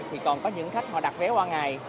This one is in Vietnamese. thì còn có những khách họ đặt vé qua ngày